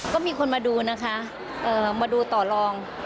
ก็มีคนมาดูนะคะมาดูต่อลอง